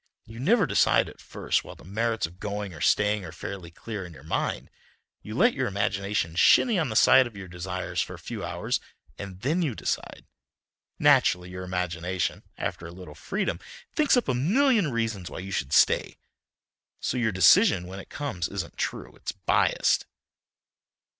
You never decide at first while the merits of going or staying are fairly clear in your mind. You let your imagination shinny on the side of your desires for a few hours, and then you decide. Naturally your imagination, after a little freedom, thinks up a million reasons why you should stay, so your decision when it comes isn't true. It's biassed."